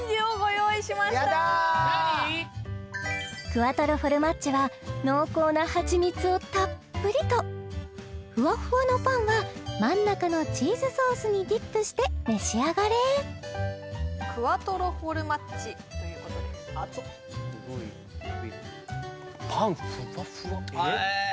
クアトロフォルマッジは濃厚なハチミツをたっぷりとふわっふわのパンは真ん中のチーズソースにディップして召し上がれクワトロフォルマッジということですへえ！